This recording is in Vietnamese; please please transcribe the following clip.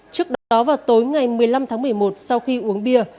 trước đó vào tối ngày một mươi năm tháng một mươi một sau khi uống bia